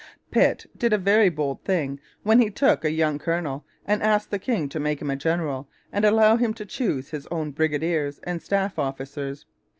Pitt did a very bold thing when he took a young colonel and asked the king to make him a general and allow him to choose his own brigadiers and staff officers.